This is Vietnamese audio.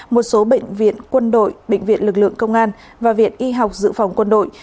một số bệnh viện quân đội bệnh viện lực lượng công an và viện y học dự phòng quân đội